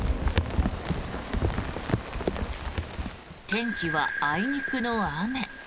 天気はあいにくの雨。